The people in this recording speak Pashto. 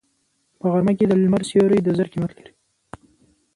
په غرمه کې د لمر سیوری د زر قیمت لري